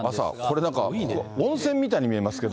これなんか、温泉みたいに見えますけど。